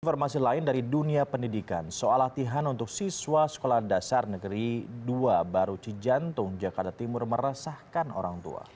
informasi lain dari dunia pendidikan soal latihan untuk siswa sekolah dasar negeri dua baru cijantung jakarta timur meresahkan orang tua